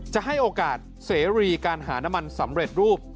จะให้โอกาสเสรีการหาน้ำมันสำเร็จรูป